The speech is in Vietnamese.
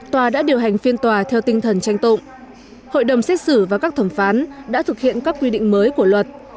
tòa đã điều hành phiên tòa theo tinh thần tranh tụng hội đồng xét xử và các thẩm phán đã thực hiện các quy định mới của luật